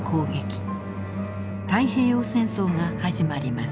太平洋戦争が始まります。